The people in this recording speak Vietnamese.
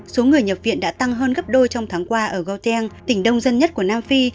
số người nhập viện đã tăng hơn gấp đôi trong tháng qua ở gotien tỉnh đông dân nhất của nam phi